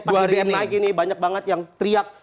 pas ibn naik ini banyak banget yang teriak